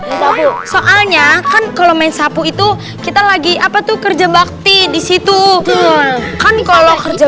enggak bu soalnya kan kalau main sapu itu kita lagi apa tuh kerja bakti disitu kan kalau kerja